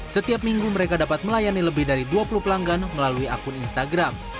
setiap minggu mereka dapat melayani lebih dari dua puluh pelanggan melalui akun instagram